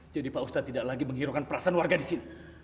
jadi pak ustadz tidak lagi menghiraukan perasaan warga disini